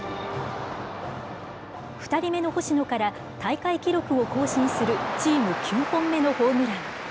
２人目の星野から、大会記録を更新するチーム９本目のホームラン。